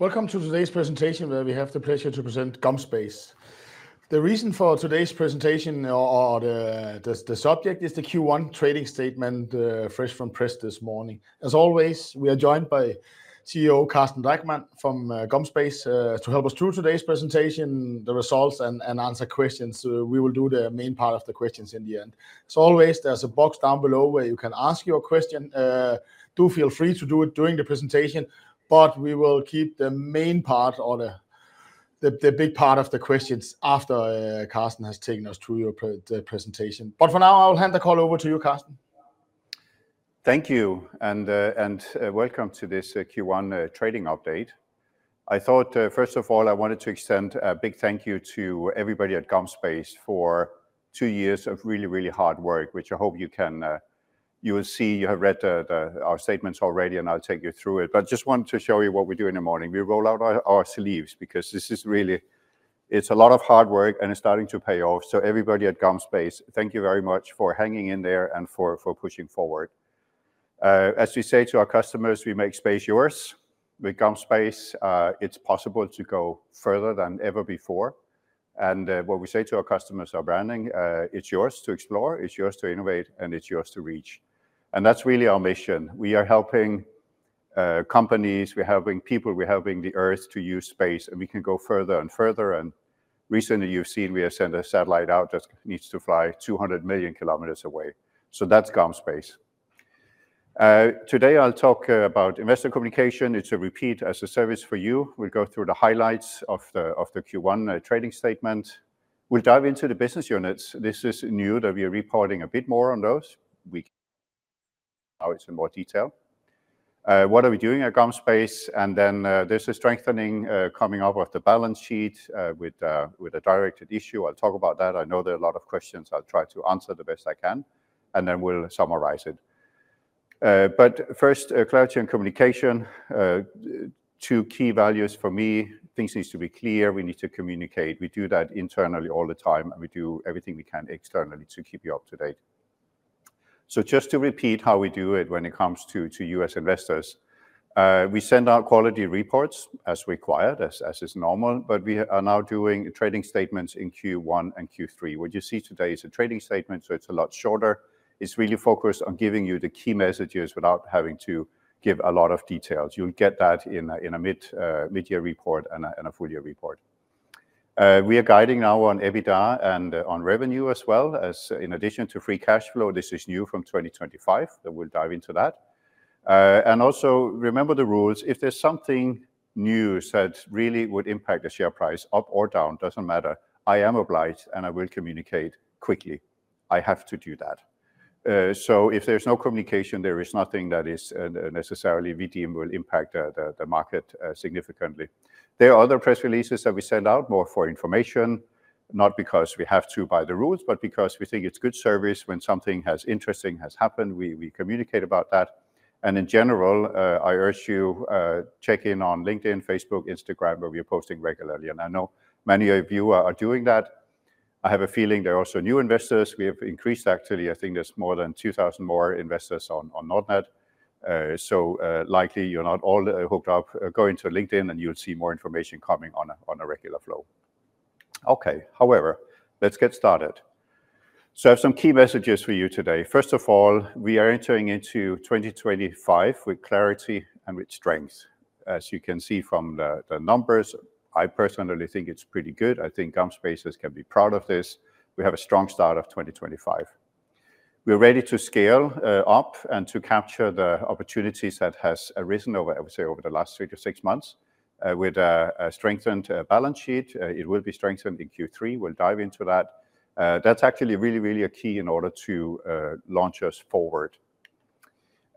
Welcome to today's presentation where we have the pleasure to present GomSpace. The reason for today's presentation, or the subject, is the Q1 trading statement fresh from press this morning. As always, we are joined by CEO Carsten Drachmann from GomSpace to help us through today's presentation, the results, and answer questions. We will do the main part of the questions in the end. As always, there's a box down below where you can ask your question. Do feel free to do it during the presentation, but we will keep the main part, or the big part of the questions, after Carsten has taken us through your presentation. For now, I'll hand the call over to you, Carsten. Thank you, and welcome to this Q1 trading update. I thought, first of all, I wanted to extend a big thank you to everybody at GomSpace for two years of really, really hard work, which I hope you can, you will see, you have read our statements already, and I'll take you through it. I just wanted to show you what we do in the morning. We roll out our sleeves because this is really, it's a lot of hard work, and it's starting to pay off. Everybody at GomSpace, thank you very much for hanging in there and for pushing forward. As we say to our customers, we make space yours. With GomSpace, it's possible to go further than ever before. What we say to our customers, our branding, it's yours to explore, it's yours to innovate, and it's yours to reach. That is really our mission. We are helping companies, we are helping people, we are helping the Earth to use space, and we can go further and further. Recently, you have seen we have sent a satellite out that needs to fly 200 million kilometers away. That is GomSpace. Today, I will talk about investor communication. It is a repeat as a service for you. We will go through the highlights of the Q1 trading statement. We will dive into the business units. This is new that we are reporting a bit more on those. We can now, it is in more detail. What are we doing at GomSpace? There is a strengthening coming up of the balance sheet with a directed issue. I will talk about that. I know there are a lot of questions. I will try to answer the best I can, and we will summarize it. First, clarity and communication. Two key values for me. Things need to be clear. We need to communicate. We do that internally all the time, and we do everything we can externally to keep you up to date. Just to repeat how we do it when it comes to U.S. investors, we send out quality reports as required, as is normal, but we are now doing trading statements in Q1 and Q3. What you see today is a trading statement, so it's a lot shorter. It's really focused on giving you the key messages without having to give a lot of details. You'll get that in a mid-year report and a full-year report. We are guiding now on EBITDA and on revenue as well, in addition to free cash flow. This is new from 2025, but we'll dive into that. Also, remember the rules. If there's something new that really would impact the share price, up or down, doesn't matter, I am obliged, and I will communicate quickly. I have to do that. If there's no communication, there is nothing that is necessarily material will impact the market significantly. There are other press releases that we send out more for information, not because we have to by the rules, but because we think it's good service when something interesting has happened. We communicate about that. In general, I urge you to check in on LinkedIn, Facebook, Instagram, where we are posting regularly. I know many of you are doing that. I have a feeling there are also new investors. We have increased, actually. I think there's more than 2,000 more investors on Nordnet. Likely you're not all hooked up. Go into LinkedIn, and you'll see more information coming on a regular flow. Okay, however, let's get started. I have some key messages for you today. First of all, we are entering into 2025 with clarity and with strength. As you can see from the numbers, I personally think it's pretty good. I think GomSpace can be proud of this. We have a strong start of 2025. We're ready to scale up and to capture the opportunities that have arisen over, I would say, over the last three to six months with a strengthened balance sheet. It will be strengthened in Q3. We'll dive into that. That's actually really, really a key in order to launch us forward.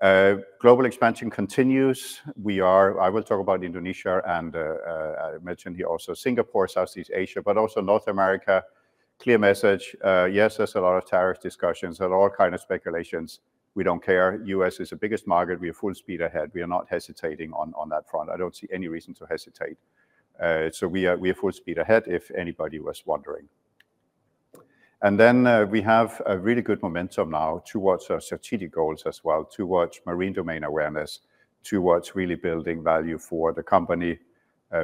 Global expansion continues. I will talk about Indonesia and I mentioned here also Singapore, Southeast Asia, but also North America. Clear message. Yes, there's a lot of tariff discussions, a lot of kind of speculations. We don't care. U.S. is the biggest market. We are full speed ahead. We are not hesitating on that front. I don't see any reason to hesitate. We are full speed ahead, if anybody was wondering. We have a really good momentum now towards our strategic goals as well, towards marine domain awareness, towards really building value for the company,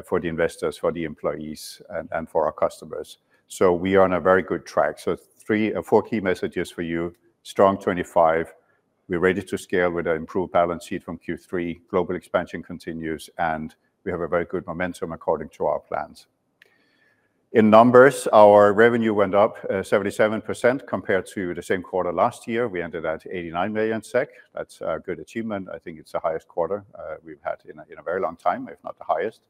for the investors, for the employees, and for our customers. We are on a very good track. Three or four key messages for you. Strong 2025. We're ready to scale with an improved balance sheet from Q3. Global expansion continues, and we have a very good momentum according to our plans. In numbers, our revenue went up 77% compared to the same quarter last year. We ended at 89 million SEK. That's a good achievement. I think it's the highest quarter we've had in a very long time, if not the highest.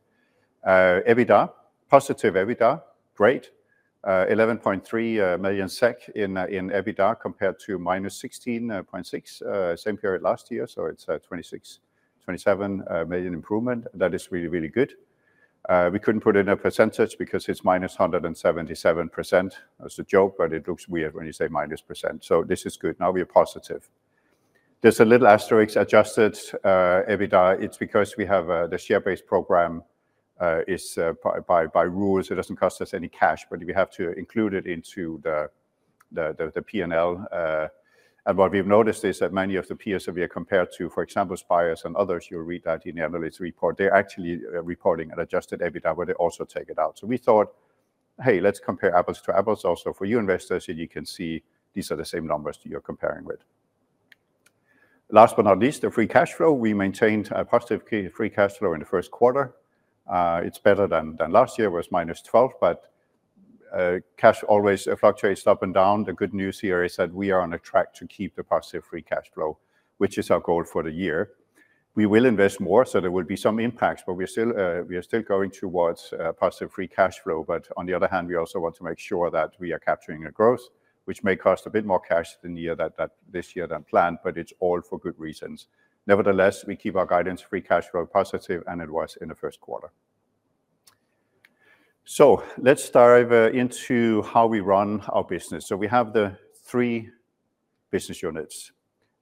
EBITDA, positive EBITDA, great. 11.3 million SEK in EBITDA compared to -16.6 million same period last year. So it's a 26 million-27 million improvement. That is really, really good. We couldn't put in a percentage because it's -177%. That's a joke, but it looks weird when you say minus percent. This is good. Now we are positive. There's a little asterisk, adjusted EBITDA. It's because we have the share-based program is by rules. It doesn't cost us any cash, but we have to include it into the P&L. What we've noticed is that many of the peers that we have compared to, for example, Spire and others, you'll read that in the analyst report, they're actually reporting an adjusted EBITDA where they also take it out. We thought, hey, let's compare apples to apples also for you investors, and you can see these are the same numbers that you're comparing with. Last but not least, the free cash flow. We maintained a positive free cash flow in the first quarter. It's better than last year. It was -12, but cash always fluctuates up and down. The good news here is that we are on a track to keep the positive free cash flow, which is our goal for the year. We will invest more, so there will be some impacts, but we are still going towards positive free cash flow. On the other hand, we also want to make sure that we are capturing the growth, which may cost a bit more cash this year than planned, but it's all for good reasons. Nevertheless, we keep our guidance free cash flow positive, and it was in the first quarter. Let's dive into how we run our business. We have the three business units,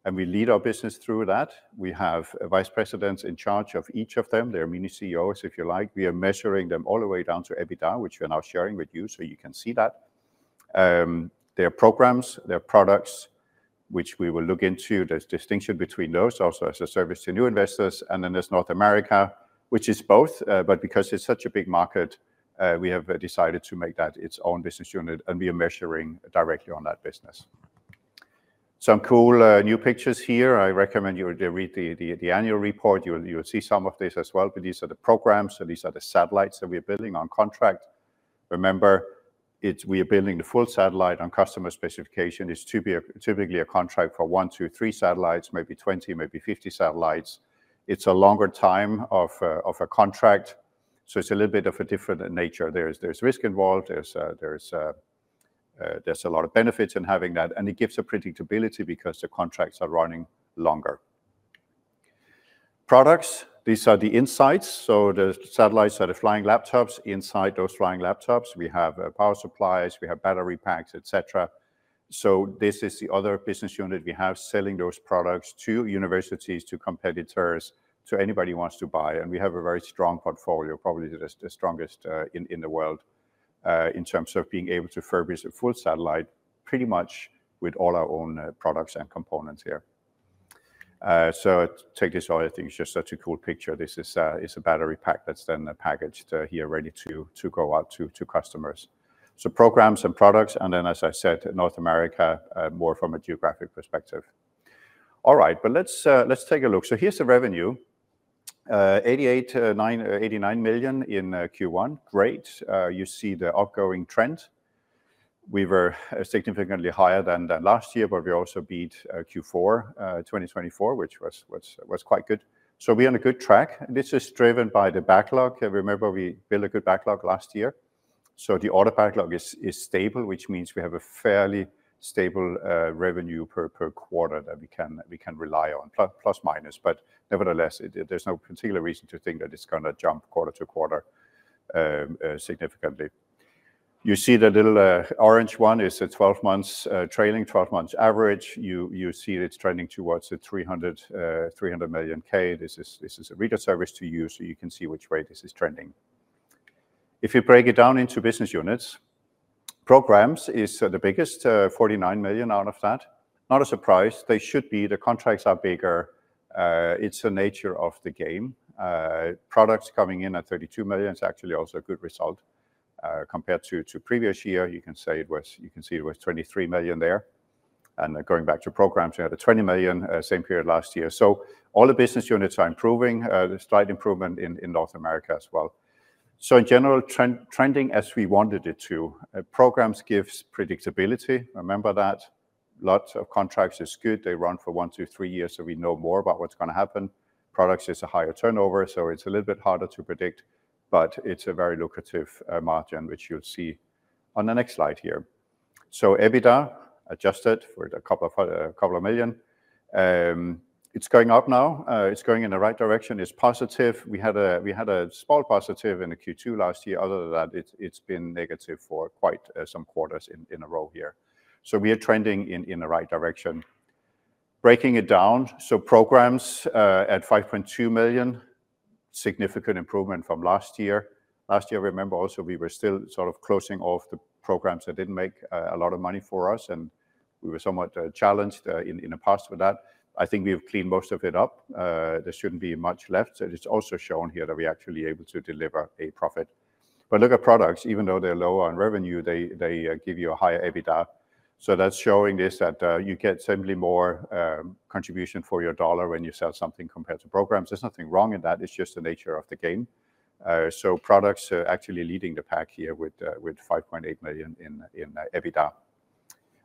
and we lead our business through that. We have Vice Presidents in charge of each of them. They're mini CEOs, if you like. We are measuring them all the way down to EBITDA, which we are now sharing with you, so you can see that. There are programs, there are products, which we will look into. There's distinction between those, also as a service to new investors. Then there's North America, which is both, but because it's such a big market, we have decided to make that its own business unit, and we are measuring directly on that business. Some cool new pictures here. I recommend you read the annual report. You'll see some of this as well, but these are the programs, and these are the satellites that we are building on contract. Remember, we are building the full satellite on customer specification. It's typically a contract for one, two, three satellites, maybe 20, maybe 50 satellites. It's a longer time of a contract, so it's a little bit of a different nature. There's risk involved. There's a lot of benefits in having that, and it gives a predictability because the contracts are running longer. Products, these are the insights. The satellites are the flying laptops. Inside those flying laptops, we have power supplies, we have battery packs, et cetera. This is the other business unit we have selling those products to universities, to competitors, to anybody who wants to buy. We have a very strong portfolio, probably the strongest in the world in terms of being able to service a full satellite pretty much with all our own products and components here. Take this all, I think it is just such a cool picture. This is a battery pack that is then packaged here, ready to go out to customers. Programs and products, and then, as I said, North America, more from a geographic perspective. All right, let us take a look. Here is the revenue, 88 million-89 million in Q1. Great. You see the outgoing trend. We were significantly higher than last year, but we also beat Q4 2024, which was quite good. We are on a good track. This is driven by the backlog. Remember, we built a good backlog last year. The order backlog is stable, which means we have a fairly stable revenue per quarter that we can rely on, plus minus. Nevertheless, there is no particular reason to think that it is going to jump quarter to quarter significantly. You see the little orange one is a 12-month trailing, 12-month average. You see it is trending towards 300 million. This is a reader service to you, so you can see which way this is trending. If you break it down into business units, programs is the biggest, 49 million out of that. Not a surprise. They should be. The contracts are bigger. It is the nature of the game. Products coming in at 32 million is actually also a good result compared to previous year. You can say it was, you can see it was 23 million there. Going back to programs, we had 20 million same period last year. All the business units are improving. There is slight improvement in North America as well. In general, trending as we wanted it to. Programs gives predictability. Remember that. Lots of contracts is good. They run for one, two, three years, so we know more about what is going to happen. Products is a higher turnover, so it is a little bit harder to predict, but it is a very lucrative margin, which you will see on the next slide here. EBITDA adjusted for a couple of million. It is going up now. It is going in the right direction. It is positive. We had a small positive in Q2 last year. Other than that, it has been negative for quite some quarters in a row here. We are trending in the right direction. Breaking it down, so programs at 5.2 million, significant improvement from last year. Last year, remember also, we were still sort of closing off the programs that did not make a lot of money for us, and we were somewhat challenged in the past with that. I think we have cleaned most of it up. There should not be much left. It is also shown here that we are actually able to deliver a profit. Look at products. Even though they are lower on revenue, they give you a higher EBITDA. That is showing this, that you get simply more contribution for your dollar when you sell something compared to programs. There is nothing wrong in that. It is just the nature of the game. Products are actually leading the pack here with 5.8 million in EBITDA.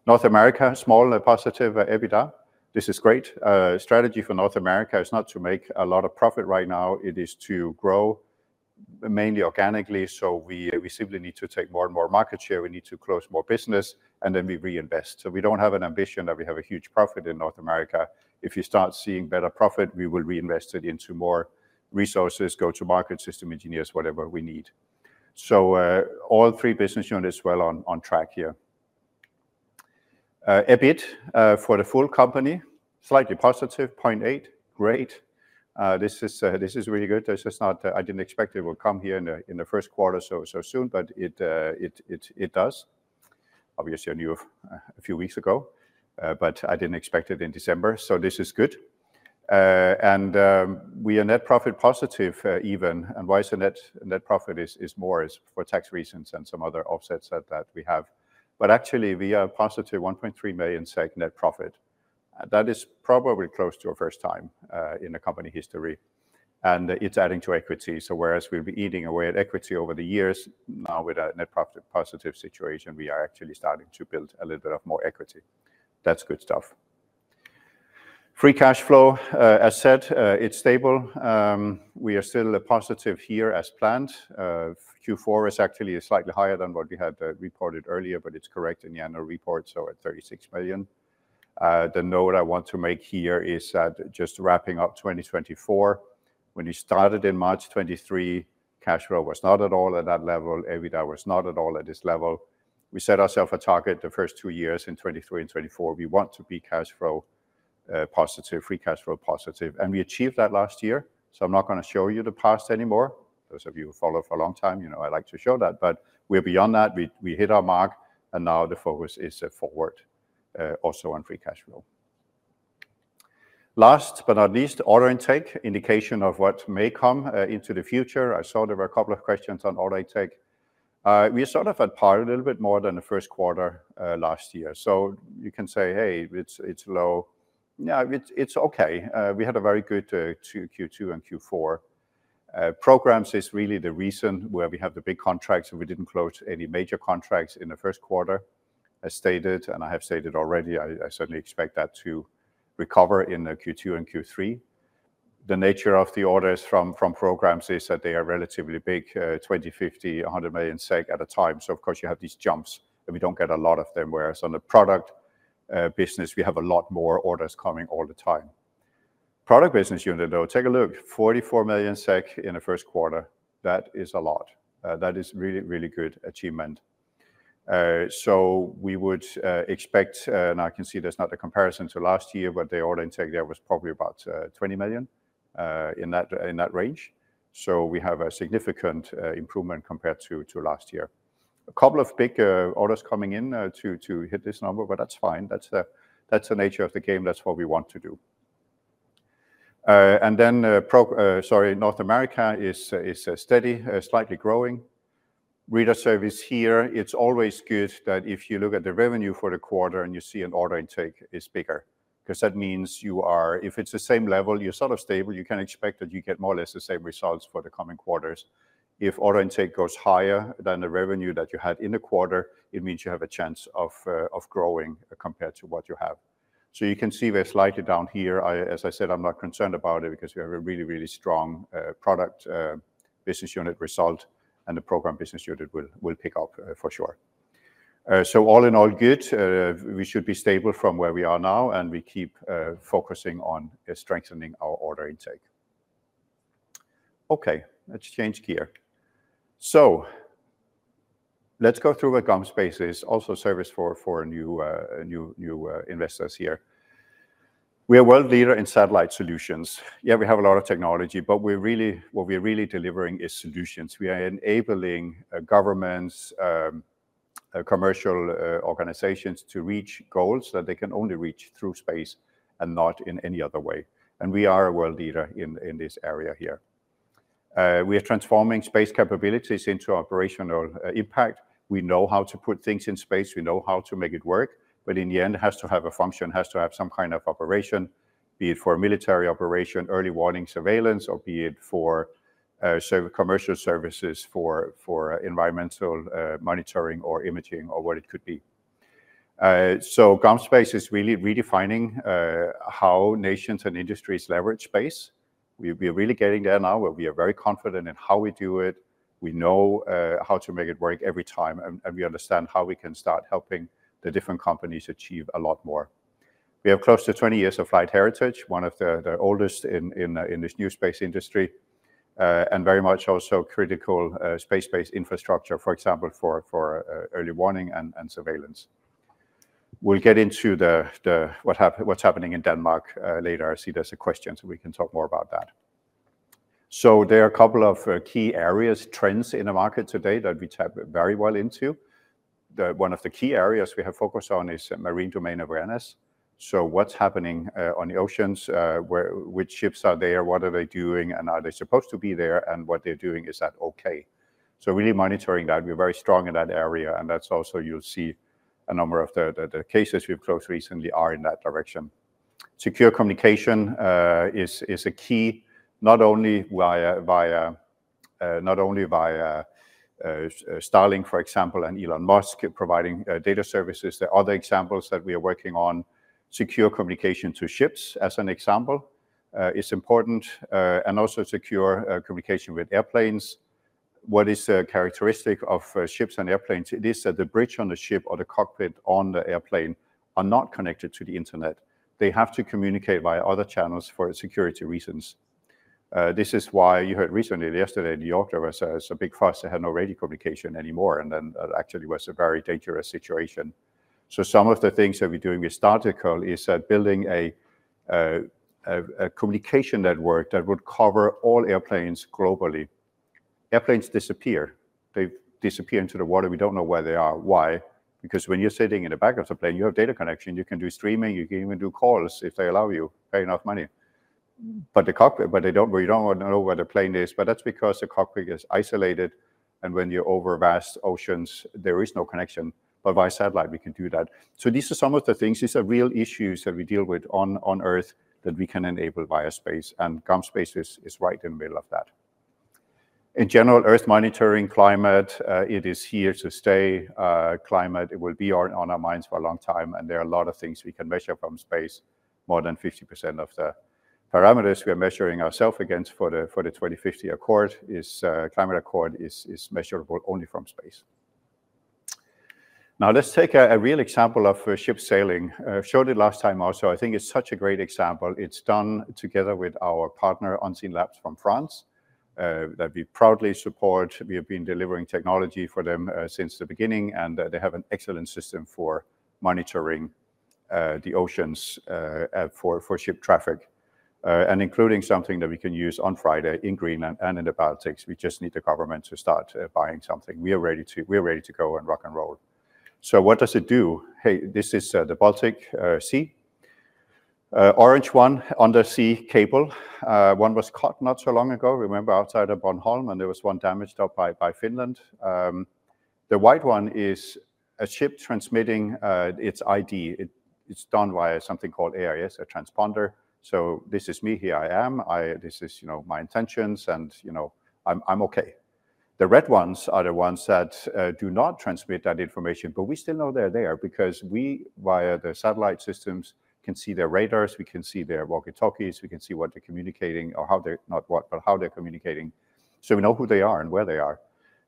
North America, small positive EBITDA. This is great. Strategy for North America is not to make a lot of profit right now. It is to grow mainly organically. So we simply need to take more and more market share. We need to close more business, and then we reinvest. So we do not have an ambition that we have a huge profit in North America. If you start seeing better profit, we will reinvest it into more resources, go-to-market system engineers, whatever we need. So all three business units well on track here. EBIT for the full company, slightly positive, 0.8 million. Great. This is really good. I did not expect it would come here in the first quarter so soon, but it does. Obviously, I knew a few weeks ago, but I did not expect it in December. This is good. And we are net profit positive even. Why the net profit is more is for tax reasons and some other offsets that we have. Actually, we are positive 1.3 million SEK net profit. That is probably close to our first time in the company history. It is adding to equity. Whereas we have been eating away at equity over the years, now with a net profit positive situation, we are actually starting to build a little bit more equity. That is good stuff. Free cash flow, as said, is stable. We are still positive here as planned. Q4 is actually slightly higher than what we had reported earlier, but it is correct in the annual report, so at 36 million. The note I want to make here is that just wrapping up 2024, when we started in March 2023, cash flow was not at all at that level. EBITDA was not at all at this level. We set ourselves a target the first two years in 2023 and 2024. We want to be cash flow positive, free cash flow positive. We achieved that last year. I'm not going to show you the past anymore. Those of you who follow for a long time, you know I like to show that. We are beyond that. We hit our mark, and now the focus is forward, also on free cash flow. Last but not least, order intake, indication of what may come into the future. I saw there were a couple of questions on order intake. We sort of had power a little bit more than the first quarter last year. You can say, hey, it's low. Yeah, it's okay. We had a very good Q2 and Q4. Programs is really the reason where we have the big contracts, and we did not close any major contracts in the first quarter, as stated, and I have stated already. I certainly expect that to recover in Q2 and Q3. The nature of the orders from programs is that they are relatively big, 20 million, 50 million, 100 million SEK at a time. Of course, you have these jumps, and we do not get a lot of them. Whereas on the product business, we have a lot more orders coming all the time. Product business unit, though, take a look, 44 million SEK in the first quarter. That is a lot. That is really, really good achievement. We would expect, and I can see there is not a comparison to last year, but the order intake there was probably about 20 million in that range. We have a significant improvement compared to last year. A couple of big orders coming in to hit this number, but that's fine. That's the nature of the game. That's what we want to do. Sorry, North America is steady, slightly growing. Reader service here, it's always good that if you look at the revenue for the quarter and you see an order intake, it's bigger. Because that means you are, if it's the same level, you're sort of stable. You can expect that you get more or less the same results for the coming quarters. If order intake goes higher than the revenue that you had in the quarter, it means you have a chance of growing compared to what you have. You can see we're slightly down here. As I said, I'm not concerned about it because we have a really, really strong product business unit result, and the program business unit will pick up for sure. All in all, good. We should be stable from where we are now, and we keep focusing on strengthening our order intake. Okay, let's change gear. Let's go through what GomSpace is, also a service for new investors here. We are a world leader in satellite solutions. Yeah, we have a lot of technology, but what we are really delivering is solutions. We are enabling governments, commercial organizations to reach goals that they can only reach through space and not in any other way. We are a world leader in this area here. We are transforming space capabilities into operational impact. We know how to put things in space. We know how to make it work. In the end, it has to have a function, has to have some kind of operation, be it for military operation, early warning surveillance, or be it for commercial services for environmental monitoring or imaging or what it could be. GomSpace is really redefining how nations and industries leverage space. We are really getting there now, where we are very confident in how we do it. We know how to make it work every time, and we understand how we can start helping the different companies achieve a lot more. We have close to 20 years of flight heritage, one of the oldest in this new space industry, and very much also critical space-based infrastructure, for example, for early warning and surveillance. We'll get into what's happening in Denmark later. I see there's a question, so we can talk more about that. There are a couple of key areas, trends in the market today that we tap very well into. One of the key areas we have focused on is marine domain awareness. What's happening on the oceans? Which ships are there? What are they doing? Are they supposed to be there? What they're doing, is that okay? Really monitoring that. We're very strong in that area. You'll see a number of the cases we've closed recently are in that direction. Secure communication is a key, not only via Starlink, for example, and Elon Musk providing data services. There are other examples that we are working on. Secure communication to ships, as an example, is important. Also secure communication with airplanes. What is the characteristic of ships and airplanes? It is that the bridge on the ship or the cockpit on the airplane are not connected to the internet. They have to communicate via other channels for security reasons. This is why you heard recently, yesterday in New York, there was a big fuss. They had no radio communication anymore. That actually was a very dangerous situation. Some of the things that we're doing with Startical is building a communication network that would cover all airplanes globally. Airplanes disappear. They disappear into the water. We don't know where they are. Why? Because when you're sitting in the back of the plane, you have data connection. You can do streaming. You can even do calls if they allow you, pay enough money. They don't know where the plane is. That's because the cockpit is isolated. When you're over vast oceans, there is no connection. Via satellite, we can do that. These are some of the things, these are real issues that we deal with on Earth that we can enable via space. GomSpace is right in the middle of that. In general, Earth monitoring, climate, it is here to stay. Climate, it will be on our minds for a long time. There are a lot of things we can measure from space. More than 50% of the parameters we are measuring ourself against for the 2050 Accord, climate accord, is measurable only from space. Now let's take a real example of ship sailing. I showed it last time also. I think it's such a great example. It's done together with our partner, Unseenlabs from France, that we proudly support. We have been delivering technology for them since the beginning. They have an excellent system for monitoring the oceans for ship traffic, including something that we can use on Friday in Greenland and in the Baltics. We just need the government to start buying something. We are ready to go and rock and roll. What does it do? This is the Baltic Sea. The orange one, undersea cable. One was cut not so long ago. Remember outside of Bornholm, and there was one damaged by Finland. The white one is a ship transmitting its ID. It is done via something called AIS, a transponder. This is me. Here I am. This is my intentions. I am okay. The red ones are the ones that do not transmit that information. We still know they are there because we, via the satellite systems, can see their radars. We can see their walkie-talkies. We can see what they're communicating or how they're not what, but how they're communicating. So we know who they are and where they are.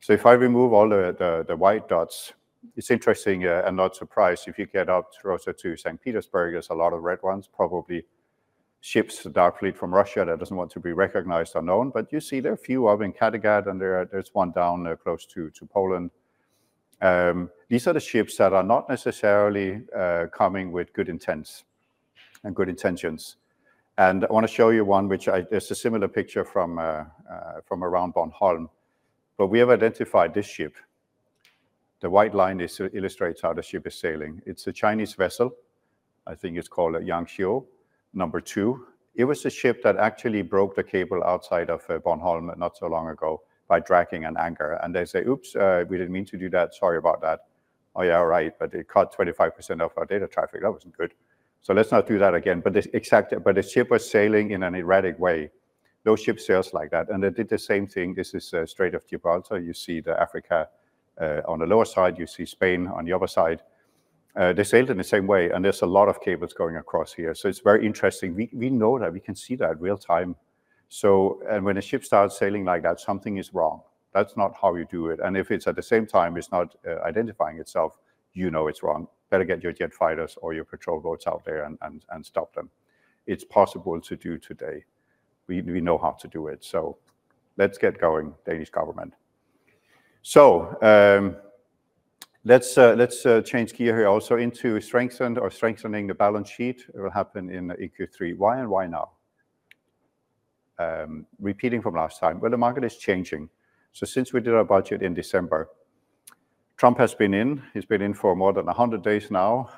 If I remove all the white dots, it's interesting and not surprising. If you get up closer to St. Petersburg, there are a lot of red ones, probably ships that are fleet from Russia that do not want to be recognized or known. You see there are a few of them in Kattegat, and there is one down close to Poland. These are the ships that are not necessarily coming with good intents and good intentions. I want to show you one, which, there is a similar picture from around Bornholm. We have identified this ship. The white line illustrates how the ship is sailing. It is a Chinese vessel. I think it is called Yangshuo, number two. It was a ship that actually broke the cable outside of Bornholm not so long ago by dragging an anchor. They say, oops, we did not mean to do that. Sorry about that. Oh yeah, all right. It cut 25% of our data traffic. That was not good. Let us not do that again. The ship was sailing in an erratic way. No ship sails like that. They did the same thing. This is Strait of Gibraltar. You see Africa on the lower side. You see Spain on the other side. They sailed in the same way. There are a lot of cables going across here. It is very interesting. We know that. We can see that real time. When a ship starts sailing like that, something is wrong. That is not how you do it. If it's at the same time, it's not identifying itself, you know it's wrong. Better get your jet fighters or your patrol boats out there and stop them. It's possible to do today. We know how to do it. Let's get going, Danish government. Let's change gear here also into strengthening the balance sheet. It will happen in Q3. Why and why now? Repeating from last time. The market is changing. Since we did our budget in December, Trump has been in. He's been in for more than 100 days now.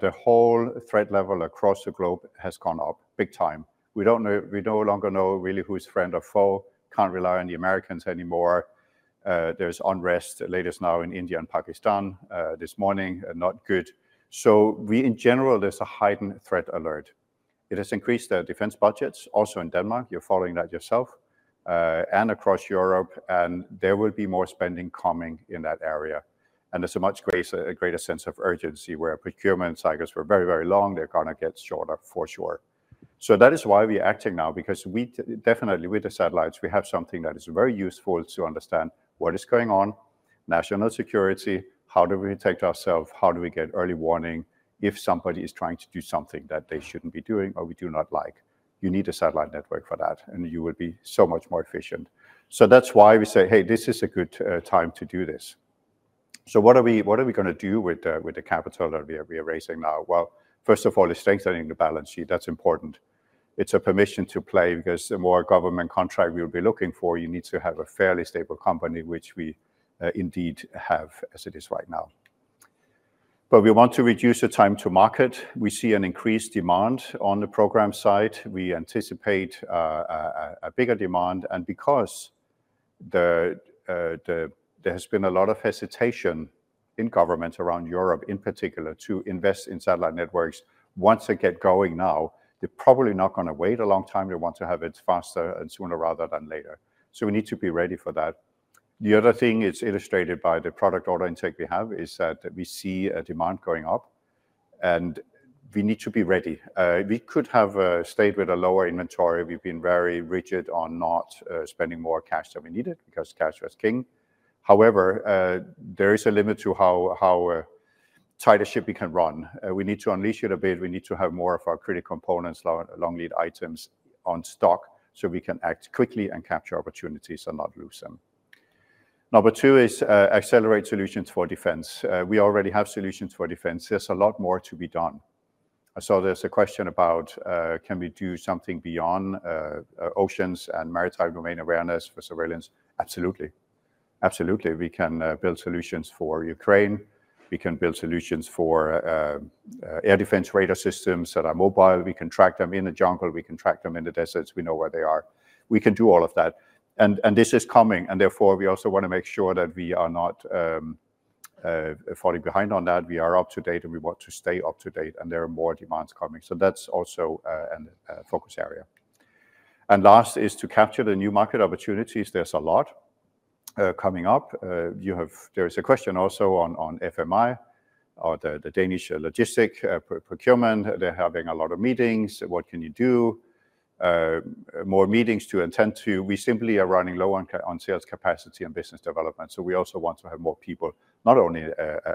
The whole threat level across the globe has gone up big time. We no longer know really who's friend or foe. Can't rely on the Americans anymore. There's unrest latest now in India and Pakistan this morning. Not good. In general, there's a heightened threat alert. It has increased the defense budgets also in Denmark. You're following that yourself and across Europe. There will be more spending coming in that area. There is a much greater sense of urgency where procurement cycles were very, very long. They're going to get shorter for sure. That is why we are acting now because definitely with the satellites, we have something that is very useful to understand what is going on, national security, how do we protect ourselves, how do we get early warning if somebody is trying to do something that they shouldn't be doing or we do not like. You need a satellite network for that, and you will be so much more efficient. That is why we say, hey, this is a good time to do this. What are we going to do with the capital that we are raising now? First of all, it's strengthening the balance sheet. That's important. It's a permission to play because the more government contract we will be looking for, you need to have a fairly stable company, which we indeed have as it is right now. We want to reduce the time to market. We see an increased demand on the program side. We anticipate a bigger demand. Because there has been a lot of hesitation in governments around Europe, in particular, to invest in satellite networks, once they get going now, they're probably not going to wait a long time. They want to have it faster and sooner rather than later. We need to be ready for that. The other thing it's illustrated by the product order intake we have is that we see a demand going up. We need to be ready. We could have stayed with a lower inventory. We've been very rigid on not spending more cash than we needed because cash was king. However, there is a limit to how tight a ship we can run. We need to unleash it a bit. We need to have more of our critical components, long lead items on stock so we can act quickly and capture opportunities and not lose them. Number two is accelerate solutions for defense. We already have solutions for defense. There's a lot more to be done. I saw there's a question about can we do something beyond oceans and maritime domain awareness for surveillance? Absolutely. Absolutely. We can build solutions for Ukraine. We can build solutions for air defense radar systems that are mobile. We can track them in the jungle. We can track them in the deserts. We know where they are. We can do all of that. This is coming. Therefore, we also want to make sure that we are not falling behind on that. We are up to date, and we want to stay up to date. There are more demands coming. That is also a focus area. Last is to capture the new market opportunities. There is a lot coming up. There is a question also on FMI or the Danish logistic procurement. They are having a lot of meetings. What can you do? More meetings to attend to. We simply are running low on sales capacity and business development. We also want to have more people not only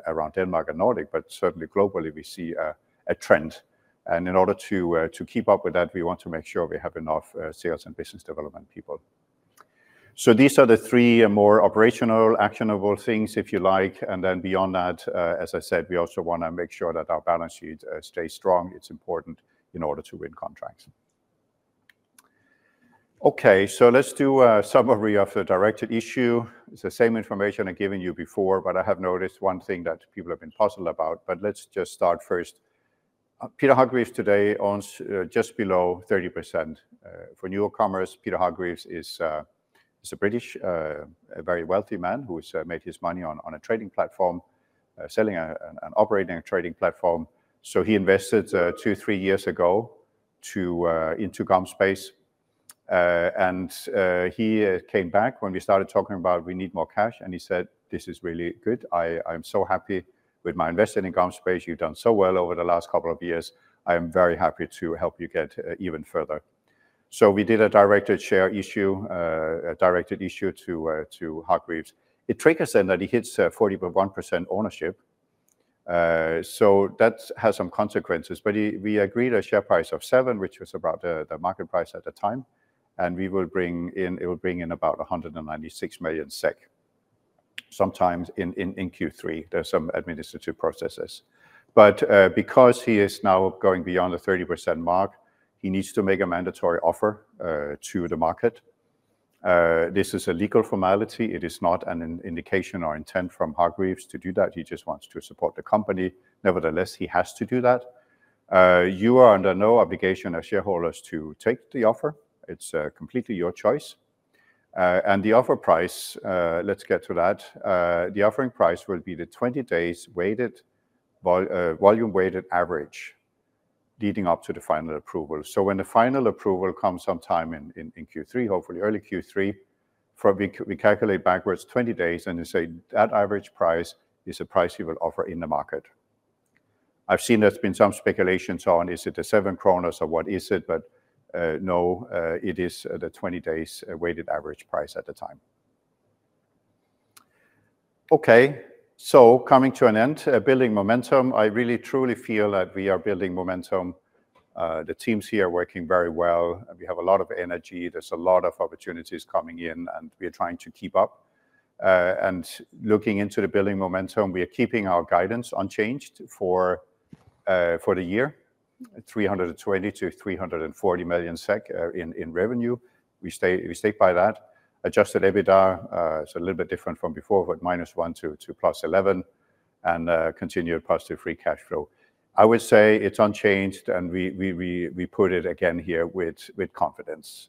around Denmark and Nordic, but certainly globally, we see a trend. In order to keep up with that, we want to make sure we have enough sales and business development people. These are the three more operational actionable things, if you like. Beyond that, as I said, we also want to make sure that our balance sheet stays strong. It is important in order to win contracts. Okay, let's do a summary of the directed issue. It is the same information I have given you before, but I have noticed one thing that people have been puzzled about. Let's just start first. Peter Hargreaves today owns just below 30%. For newcomers, Peter Hargreaves is a British, very wealthy man who has made his money on a trading platform, selling and operating a trading platform. He invested two, three years ago into GomSpace. He came back when we started talking about we need more cash. He said, this is really good. I am so happy with my investment in GomSpace. You've done so well over the last couple of years. I am very happy to help you get even further. We did a directed share issue, a directed issue to Hargreaves. It triggers then that he hits 41% ownership. That has some consequences. We agreed a share price of 7, which was about the market price at the time. It will bring in about 196 million SEK sometime in Q3. There are some administrative processes. Because he is now going beyond the 30% mark, he needs to make a mandatory offer to the market. This is a legal formality. It is not an indication or intent from Hargreaves to do that. He just wants to support the company. Nevertheless, he has to do that. You are under no obligation as shareholders to take the offer. It's completely your choice. The offer price, let's get to that. The offering price will be the 20 days volume weighted average leading up to the final approval. When the final approval comes sometime in Q3, hopefully early Q3, we calculate backwards 20 days and say that average price is the price we will offer in the market. I've seen there's been some speculation on is it the 7 kronor or what is it. No, it is the 20 days weighted average price at the time. Coming to an end, building momentum. I really truly feel that we are building momentum. The teams here are working very well. We have a lot of energy. There's a lot of opportunities coming in. We are trying to keep up. Looking into the building momentum, we are keeping our guidance unchanged for the year, 320 million-340 million SEK in revenue. We stay by that. Adjusted EBITDA is a little bit different from before, but -1 to +11 and continued positive free cash flow. I would say it is unchanged. We put it again here with confidence.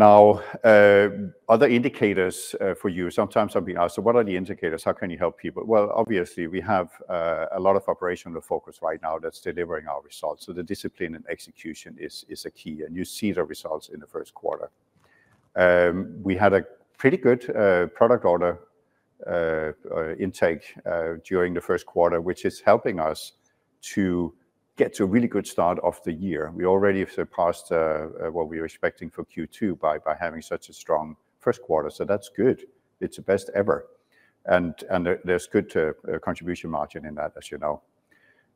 Other indicators for you. Sometimes I am being asked, what are the indicators? How can you help people? Obviously, we have a lot of operational focus right now that is delivering our results. The discipline and execution is a key. You see the results in the first quarter. We had a pretty good product order intake during the first quarter, which is helping us to get to a really good start of the year. We already have surpassed what we were expecting for Q2 by having such a strong first quarter. That is good. It is the best ever. There is good contribution margin in that, as you know.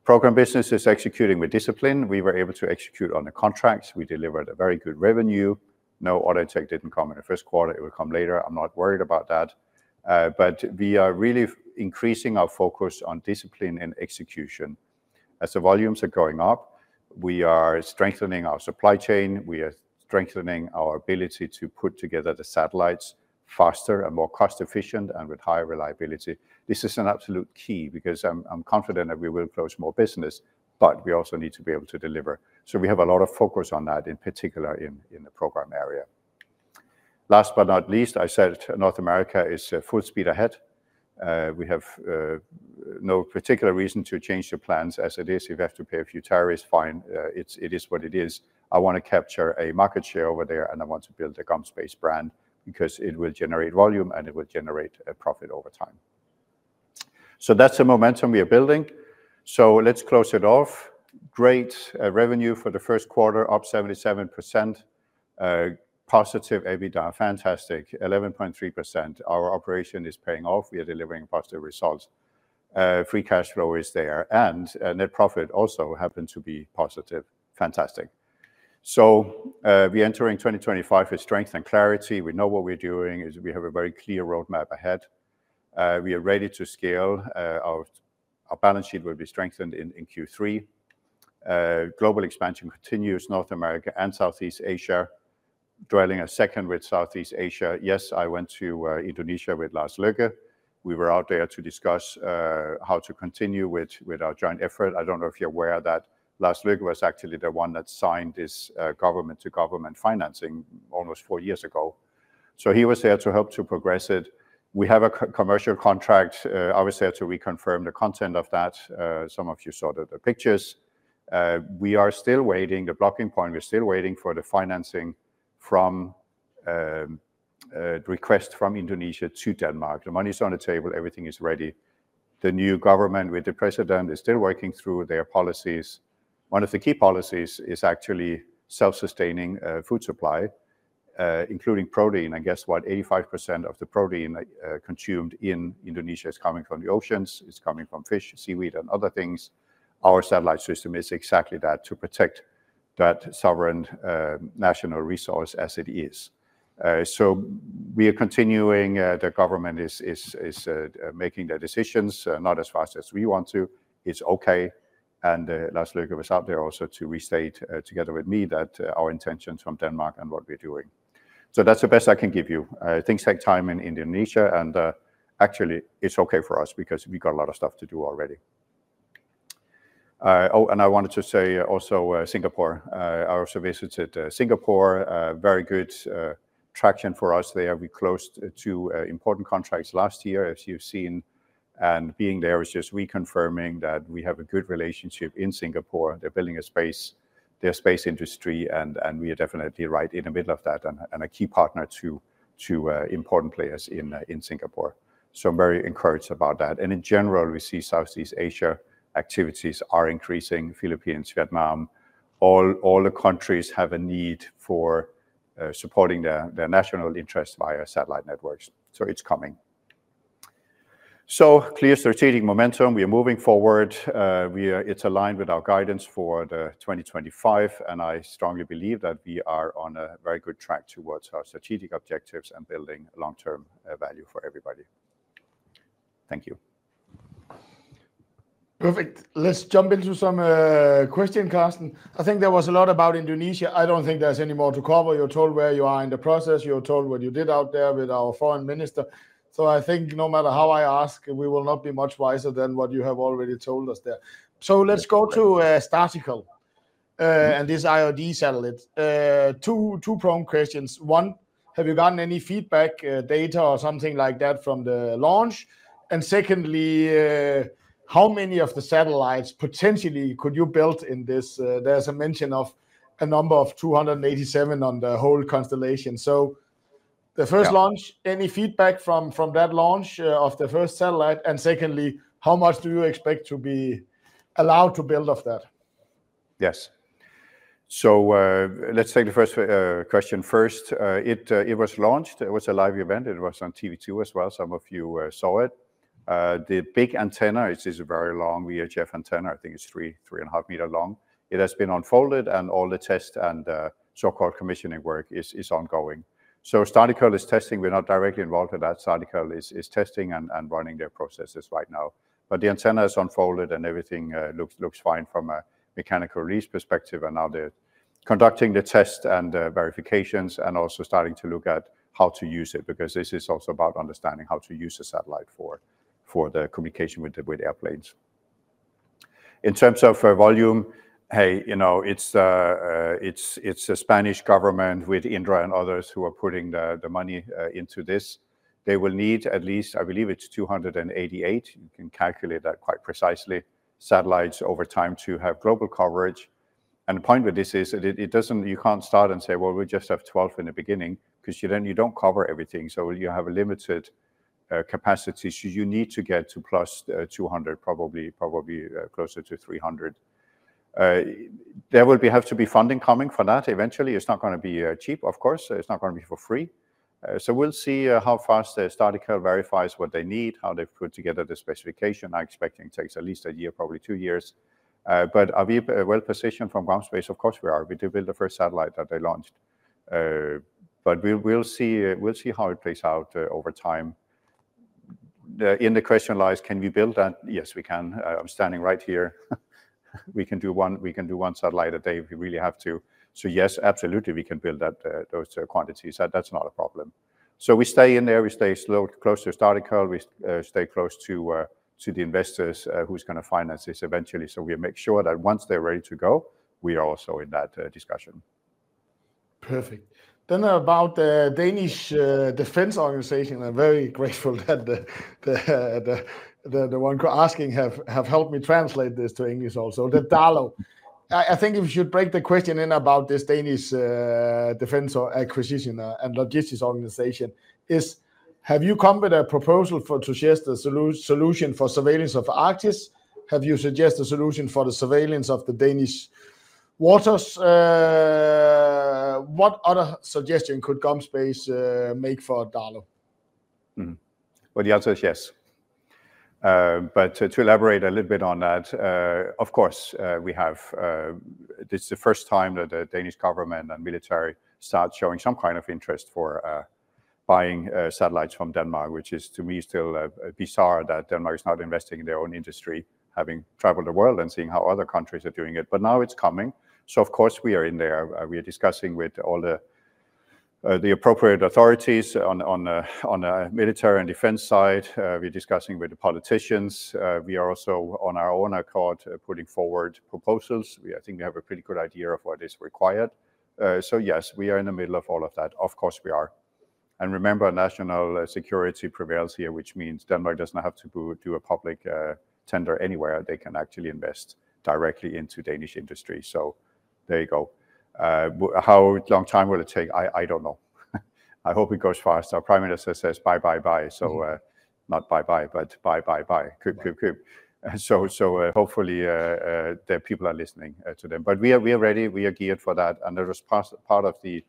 Program business is executing with discipline. We were able to execute on the contracts. We delivered a very good revenue. No order intake did not come in the first quarter. It will come later. I am not worried about that. We are really increasing our focus on discipline and execution. As the volumes are going up, we are strengthening our supply chain. We are strengthening our ability to put together the satellites faster and more cost-efficient and with higher reliability. This is an absolute key because I am confident that we will close more business, but we also need to be able to deliver. We have a lot of focus on that, in particular in the program area. Last but not least, I said North America is full speed ahead. We have no particular reason to change the plans as it is. If you have to pay a few tariffs, fine. It is what it is. I want to capture a market share over there, and I want to build a GomSpace brand because it will generate volume and it will generate profit over time. That is the momentum we are building. Let's close it off. Great revenue for the first quarter, up 77%. Positive EBITDA, fantastic. 11.3%. Our operation is paying off. We are delivering positive results. Free cash flow is there. Net profit also happened to be positive. Fantastic. We are entering 2025 with strength and clarity. We know what we are doing. We have a very clear roadmap ahead. We are ready to scale. Our balance sheet will be strengthened in Q3. Global expansion continues, North America and Southeast Asia. Dwelling a second with Southeast Asia. Yes, I went to Indonesia with Lars Løkke. We were out there to discuss how to continue with our joint effort. I do not know if you are aware of that. Lars Løkke was actually the one that signed this government-to-government financing almost four years ago. He was there to help to progress it. We have a commercial contract. I was there to reconfirm the content of that. Some of you saw the pictures. We are still waiting. The blocking point, we are still waiting for the financing from the request from Indonesia to Denmark. The money is on the table. Everything is ready. The new government with the president is still working through their policies. One of the key policies is actually self-sustaining food supply, including protein. And guess what? 85% of the protein consumed in Indonesia is coming from the oceans. It's coming from fish, seaweed, and other things. Our satellite system is exactly that, to protect that sovereign national resource as it is. We are continuing. The government is making their decisions not as fast as we want to. It's okay. Lars Løkke was out there also to restate together with me that our intentions from Denmark and what we're doing. That's the best I can give you. Things take time in Indonesia. Actually, it's okay for us because we've got a lot of stuff to do already. Oh, I wanted to say also Singapore. I also visited Singapore. Very good traction for us there. We closed two important contracts last year, as you've seen. Being there is just reconfirming that we have a good relationship in Singapore. They are building their space industry, and we are definitely right in the middle of that and a key partner to important players in Singapore. I am very encouraged about that. In general, we see Southeast Asia activities are increasing. Philippines, Vietnam, all the countries have a need for supporting their national interest via satellite networks. It is coming. Clear strategic momentum. We are moving forward. It is aligned with our guidance for 2025. I strongly believe that we are on a very good track towards our strategic objectives and building long-term value for everybody. Thank you. Perfect. Let's jump into some questions, Carsten. I think there was a lot about Indonesia. I do not think there is any more to cover. You are told where you are in the process. You're told what you did out there with our foreign minister. I think no matter how I ask, we will not be much wiser than what you have already told us there. Let's go to Startical. And this IOD satellite. Two prong questions. One, have you gotten any feedback, data or something like that from the launch? Secondly, how many of the satellites potentially could you build in this? There's a mention of a number of 287 on the whole constellation. The first launch, any feedback from that launch of the first satellite? Secondly, how much do you expect to be allowed to build of that? Yes. Let's take the first question first. It was launched. It was a live event. It was on TV2 as well. Some of you saw it. The big antenna is a very long VHF antenna. I think it's three, three and a half meter long. It has been unfolded, and all the test and so-called commissioning work is ongoing. Startical is testing. We're not directly involved in that. Startical is testing and running their processes right now. The antenna is unfolded, and everything looks fine from a mechanical release perspective. Now they're conducting the test and verifications and also starting to look at how to use it because this is also about understanding how to use a satellite for the communication with airplanes. In terms of volume, hey, it's the Spanish government with Indra and others who are putting the money into this. They will need at least, I believe it's 288. You can calculate that quite precisely, satellites over time to have global coverage. The point with this is that you can't start and say, well, we just have 12 in the beginning because then you don't cover everything. You have a limited capacity. You need to get to +200, probably closer to 300. There will have to be funding coming for that eventually. It's not going to be cheap, of course. It's not going to be for free. We'll see how fast Startical verifies what they need, how they've put together the specification. I expect it takes at least a year, probably two years. Are we well positioned from GomSpace? Of course we are. We did build the first satellite that they launched. We'll see how it plays out over time. In the question lies, can we build that? Yes, we can. I'm standing right here. We can do one satellite a day if we really have to. Yes, absolutely, we can build those quantities. That's not a problem. We stay in there. We stay close to Startical. We stay close to the investors who are going to finance this eventually. We make sure that once they're ready to go, we are also in that discussion. Perfect. About the Danish defense organization, I'm very grateful that the one asking has helped me translate this to English also, the DALO. I think if you should break the question in about this Danish Defence Acquisition and Logistics Organization, have you come with a proposal to suggest a solution for surveillance of Arctic? Have you suggested a solution for the surveillance of the Danish waters? What other suggestion could GomSpace make for DALO? The answer is yes. To elaborate a little bit on that, of course, this is the first time that the Danish government and military start showing some kind of interest for buying satellites from Denmark, which is, to me, still bizarre that Denmark is not investing in their own industry, having traveled the world and seeing how other countries are doing it. Now it is coming. Of course, we are in there. We are discussing with all the appropriate authorities on the military and defense side. We are discussing with the politicians. We are also, on our own accord, putting forward proposals. I think we have a pretty good idea of what is required. Yes, we are in the middle of all of that. Of course, we are. Remember, national security prevails here, which means Denmark does not have to do a public tender anywhere. They can actually invest directly into Danish industry. There you go. How long time will it take? I don't know. I hope it goes fast. Our prime minister says, bye, bye, bye. Not bye-bye, but bye, bye, bye. Coop, coop, coop. Hopefully, the people are listening to them. We are ready. We are geared for that. There was part of the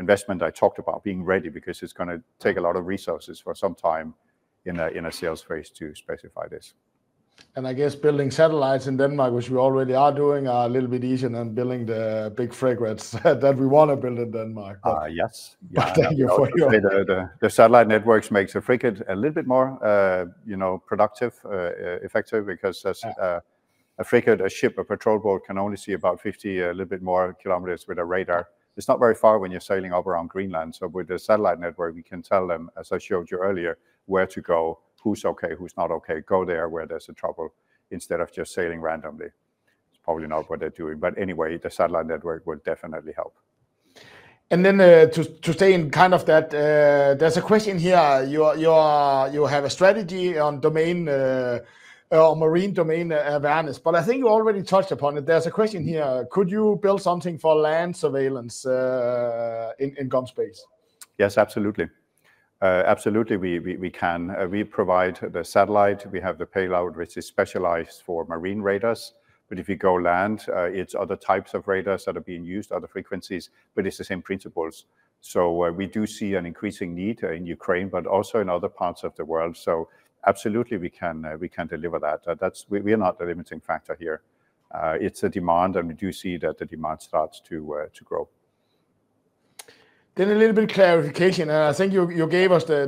investment I talked about being ready because it's going to take a lot of resources for some time in a sales phase to specify this. I guess building satellites in Denmark, which we already are doing, is a little bit easier than building the big fragments that we want to build in Denmark. Yes. Yeah. The satellite networks make the frigate a little bit more productive, effective, because a frigate, a ship, a patrol boat can only see about 50, a little bit more kilometers with a radar. It is not very far when you are sailing up around Greenland. With the satellite network, we can tell them, as I showed you earlier, where to go, who is okay, who is not okay. Go there where there is a trouble instead of just sailing randomly. It is probably not what they are doing. Anyway, the satellite network will definitely help. To stay in kind of that, there is a question here. You have a strategy on domain or marine domain awareness. I think you already touched upon it. There is a question here. Could you build something for land surveillance in GomSpace? Yes, absolutely. Absolutely, we can. We provide the satellite. We have the payload, which is specialized for marine radars. If you go land, it's other types of radars that are being used, other frequencies. It's the same principles. We do see an increasing need in Ukraine, but also in other parts of the world. Absolutely, we can deliver that. We are not the limiting factor here. It's a demand. We do see that the demand starts to grow. A little bit of clarification. I think you gave us the,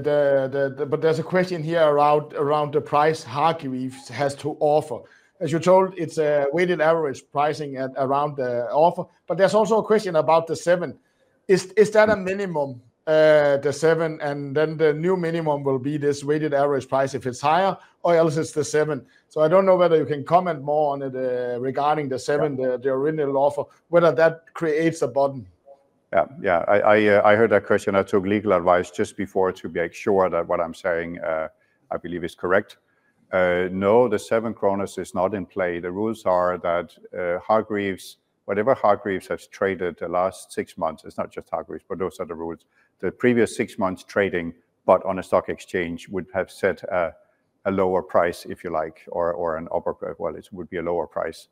but there's a question here around the price Hargreaves has to offer. As you told, it's a weighted average pricing at around the offer. There's also a question about the seven. Is that a minimum, the seven? The new minimum will be this weighted average price if it's higher, or else it's the seven. I don't know whether you can comment more on it regarding the seven, the original offer, whether that creates a bottom. Yeah, yeah. I heard that question. I took legal advice just before to make sure that what I'm saying, I believe, is correct. No, the 7 kronors is not in play. The rules are that Hargreaves, whatever Hargreaves have traded the last six months, it's not just Hargreaves, but those are the rules. The previous six months trading, but on a stock exchange, would have set a lower price, if you like, or an upper curve. It would be a lower price.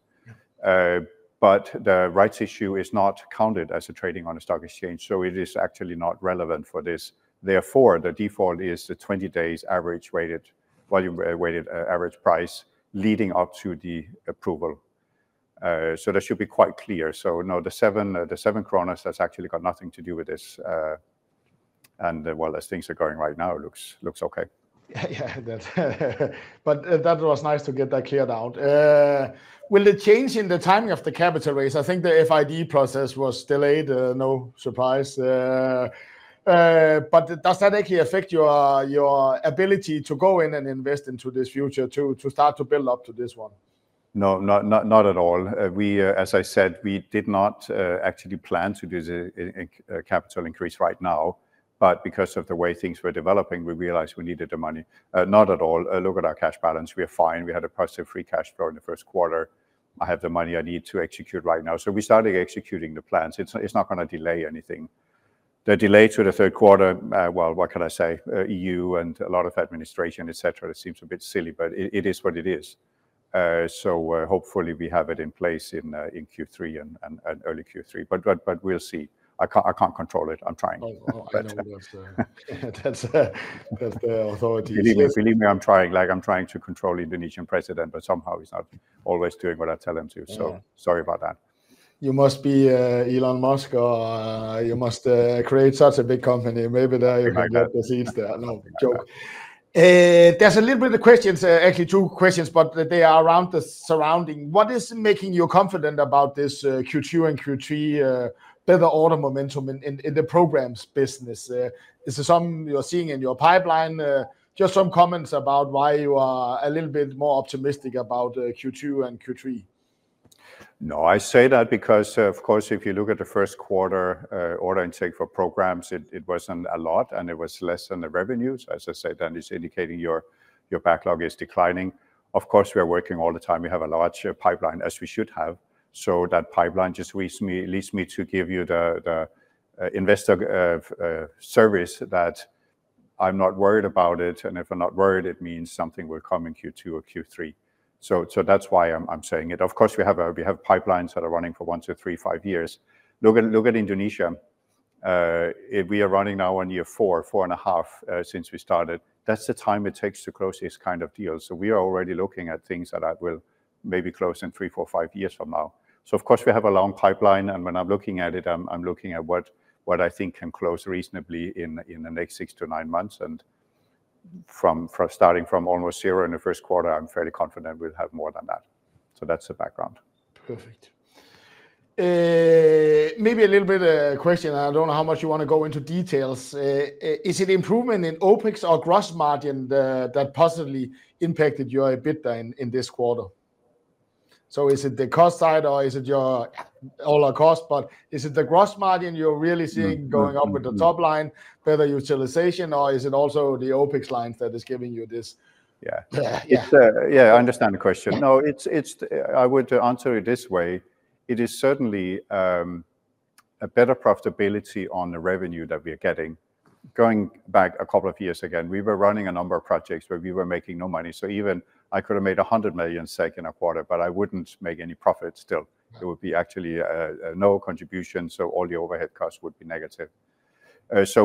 The rights issue is not counted as trading on a stock exchange. It is actually not relevant for this. Therefore, the default is the 20 days average weighted volume weighted average price leading up to the approval. That should be quite clear. No, the 7 kronors, that's actually got nothing to do with this. As things are going right now, it looks okay. Yeah, yeah. That was nice to get that cleared out. Will it change in the timing of the capital raise? I think the FID process was delayed. No surprise. Does that actually affect your ability to go in and invest into this future to start to build up to this one? No, not at all. As I said, we did not actually plan to do a capital increase right now. Because of the way things were developing, we realized we needed the money. Not at all. Look at our cash balance. We are fine. We had a positive free cash flow in the first quarter. I have the money I need to execute right now. We started executing the plans. It's not going to delay anything. The delay to the third quarter, what can I say? EU and a lot of administration, et cetera. It seems a bit silly, but it is what it is. Hopefully, we have it in place in Q3 and early Q3. We'll see. I can't control it. I'm trying. That's the authority. Believe me, I'm trying. Like I'm trying to control Indonesian president, but somehow he's not always doing what I tell him to. Sorry about that. You must be Elon Musk or you must create such a big company. Maybe there you can get the seeds there. No, joke. There's a little bit of questions, actually two questions, but they are around the surrounding. What is making you confident about this Q2 and Q3 better order momentum in the programs business? Is there some you're seeing in your pipeline? Just some comments about why you are a little bit more optimistic about Q2 and Q3? No, I say that because, of course, if you look at the first quarter order intake for programs, it was not a lot. And it was less than the revenues. As I said, that is indicating your backlog is declining. Of course, we are working all the time. We have a large pipeline, as we should have. That pipeline just leads me to give you the investor service that I am not worried about it. If I am not worried, it means something will come in Q2 or Q3. That is why I am saying it. Of course, we have pipelines that are running for one, two, three, five years. Look at Indonesia. We are running now on year four, four and a half since we started. That's the time it takes to close this kind of deal. We are already looking at things that will maybe close in three, four, five years from now. Of course, we have a long pipeline. When I'm looking at it, I'm looking at what I think can close reasonably in the next six to nine months. Starting from almost zero in the first quarter, I'm fairly confident we'll have more than that. That's the background. Perfect. Maybe a little bit of a question. I don't know how much you want to go into details. Is it improvement in OpEx or gross margin that possibly impacted your EBITDA in this quarter? Is it the cost side or is it your all-out cost? Is it the gross margin you're really seeing going up with the top line, better utilization, or is it also the OpEx lines that is giving you this? Yeah. Yeah, I understand the question. No, I would answer it this way. It is certainly a better profitability on the revenue that we are getting. Going back a couple of years ago, we were running a number of projects where we were making no money. I could have made 100 million SEK second quarter, but I would not make any profit still. It would be actually no contribution. All the overhead costs would be negative.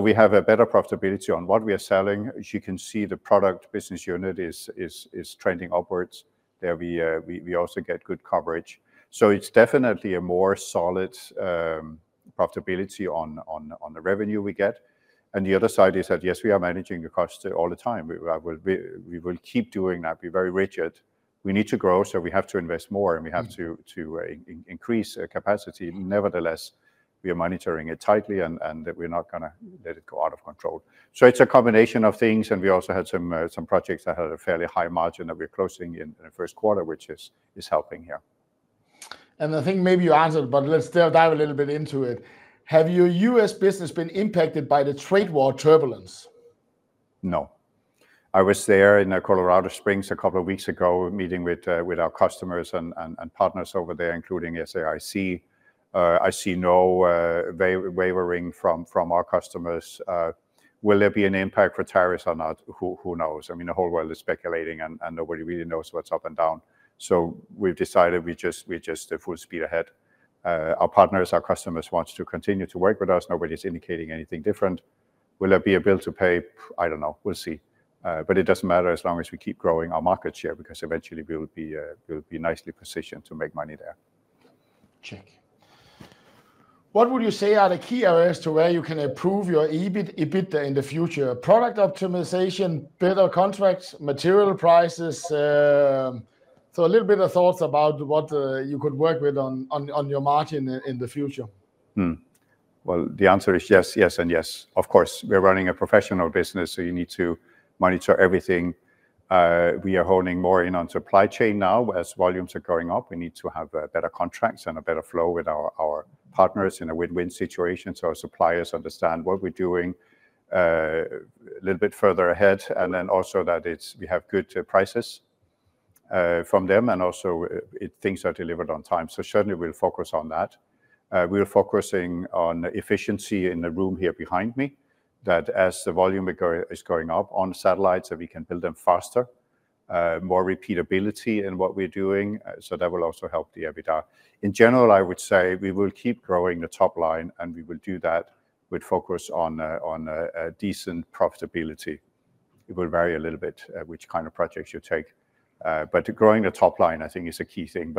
We have a better profitability on what we are selling. As you can see, the product business unit is trending upwards. There we also get good coverage. It is definitely a more solid profitability on the revenue we get. The other side is that, yes, we are managing the cost all the time. We will keep doing that. Be very rigid. We need to grow. We have to invest more and we have to increase capacity. Nevertheless, we are monitoring it tightly and that we are not going to let it go out of control. It is a combination of things. We also had some projects that had a fairly high margin that we are closing in the first quarter, which is helping here. I think maybe you answered, but let's still dive a little bit into it. Have your U.S. business been impacted by the trade war turbulence? No. I was there in Colorado Springs a couple of weeks ago, meeting with our customers and partners over there, including SAIC. I see no wavering from our customers. Will there be an impact for tariffs or not? Who knows? I mean, the whole world is speculating and nobody really knows what's up and down. So we've decided we're just the full speed ahead. Our partners, our customers want to continue to work with us. Nobody's indicating anything different. Will there be a bill to pay? I don't know. We'll see. It doesn't matter as long as we keep growing our market share because eventually we will be nicely positioned to make money there. Check. What would you say are the key areas to where you can improve your EBITDA in the future? Product optimization, better contracts, material prices. A little bit of thoughts about what you could work with on your margin in the future. The answer is yes, yes, and yes. Of course, we're running a professional business, so you need to monitor everything. We are honing more in on supply chain now as volumes are going up. We need to have better contracts and a better flow with our partners in a win-win situation so our suppliers understand what we're doing a little bit further ahead. Also that we have good prices from them and also things are delivered on time. Certainly we'll focus on that. We're focusing on efficiency in the room here behind me that as the volume is going up on satellites, that we can build them faster, more repeatability in what we're doing. That will also help the EBITDA. In general, I would say we will keep growing the top line and we will do that with focus on decent profitability. It will vary a little bit which kind of projects you take. Growing the top line, I think, is a key thing.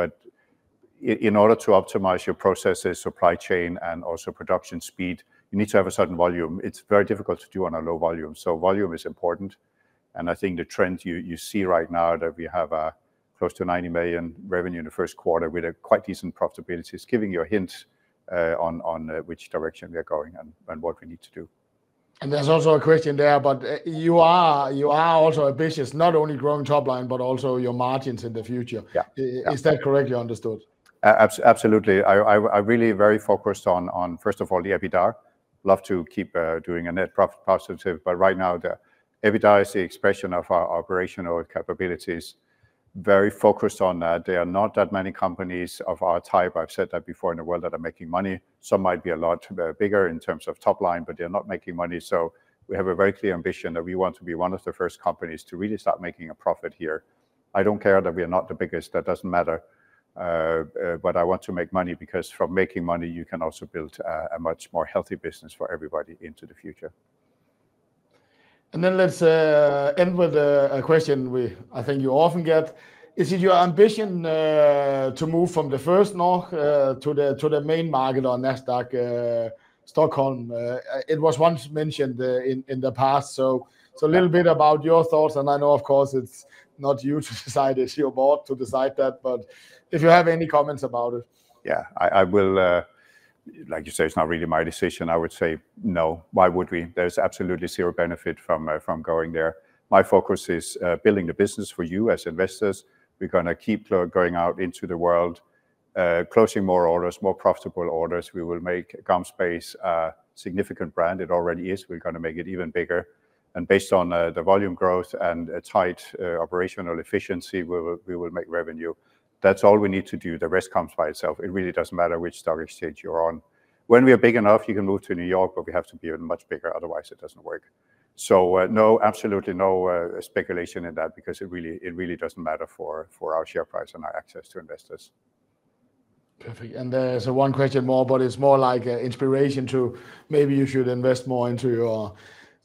In order to optimize your processes, supply chain, and also production speed, you need to have a certain volume. It is very difficult to do on a low volume. Volume is important. I think the trend you see right now that we have close to 90 million revenue in the first quarter with a quite decent profitability is giving you a hint on which direction we are going and what we need to do. There is also a question there, but you are also ambitious, not only growing top line, but also your margins in the future. Is that correctly understood? Absolutely. I am really very focused on, first of all, the EBITDA. Love to keep doing a net profit positive. Right now, the EBITDA is the expression of our operational capabilities. Very focused on that. There are not that many companies of our type, I've said that before, in the world that are making money. Some might be a lot bigger in terms of top line, but they're not making money. We have a very clear ambition that we want to be one of the first companies to really start making a profit here. I don't care that we are not the biggest. That doesn't matter. I want to make money because from making money, you can also build a much more healthy business for everybody into the future. Let's end with a question I think you often get. Is it your ambition to move from the first knock to the main market on NASDAQ, Stockholm? It was once mentioned in the past. A little bit about your thoughts. I know, of course, it's not you to decide. It's your board to decide that. If you have any comments about it, yeah, I will, like you say, it's not really my decision. I would say no. Why would we? There's absolutely zero benefit from going there. My focus is building the business for you as investors. We're going to keep going out into the world, closing more orders, more profitable orders. We will make GomSpace a significant brand. It already is. We're going to make it even bigger. Based on the volume growth and tight operational efficiency, we will make revenue. That's all we need to do. The rest comes by itself. It really doesn't matter which stock exchange you're on. When we are big enough, you can move to New York, but we have to be much bigger. Otherwise, it doesn't work. No, absolutely no speculation in that because it really does not matter for our share price and our access to investors. Perfect. There is one question more, but it is more like inspiration to maybe you should invest more into your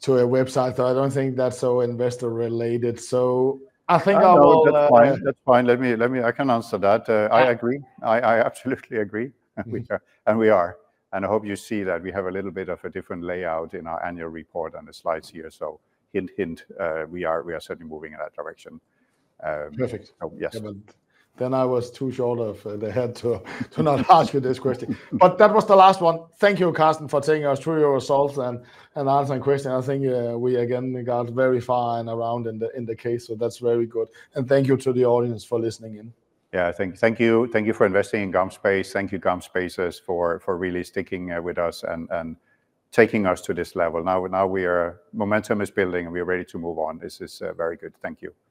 website. I do not think that is so investor related. I think I will. That is fine. That is fine. I can answer that. I agree. I absolutely agree. We are. I hope you see that we have a little bit of a different layout in our annual report and the slides here. Hint, hint, we are certainly moving in that direction. Perfect. Yes. I was too short of the head to not ask you this question. That was the last one. Thank you, Carsten, for taking us through your results and answering questions. I think we, again, got very far and around in the case. That is very good. Thank you to the audience for listening in. Yeah, thank you. Thank you for investing in GomSpace. Thank you, GomSpacers, for really sticking with us and taking us to this level. Now our momentum is building and we are ready to move on. This is very good. Thank you.